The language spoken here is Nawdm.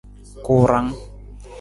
Kuurang.